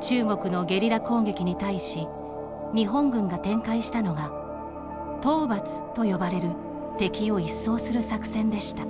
中国のゲリラ攻撃に対し日本軍が展開したのが討伐と呼ばれる敵を一掃する作戦でした。